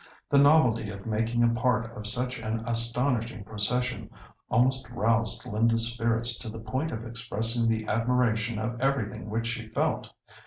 The novelty of making a part of such an astonishing procession almost roused Linda's spirits to the point of expressing the admiration of everything which she felt.